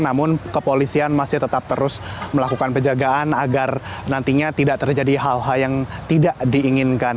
namun kepolisian masih tetap terus melakukan penjagaan agar nantinya tidak terjadi hal hal yang tidak diinginkan